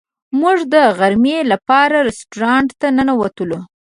موږ د غرمې لپاره رسټورانټ ته ننوتلو.